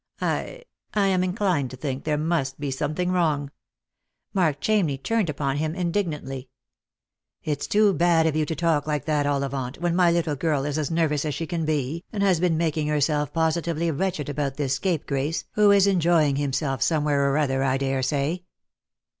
I — I am inclined to think there must be something wrong." Mark Chamney turned upon him indignantly. " It's too bad of you to talk like that, Ollivant, when my little girl is as nervous as she can be, and has been making herself positively wretched about this scapegrace, who is enjoying him self somewhere or other, I daresay."